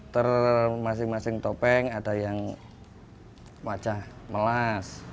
ter masing masing topeng ada yang wajah melas